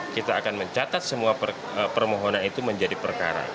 kita akan mencatat semua permohonan itu menjadi perkara